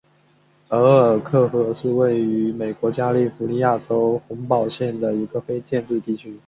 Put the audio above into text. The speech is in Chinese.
埃尔克河是位于美国加利福尼亚州洪堡县的一个非建制地区。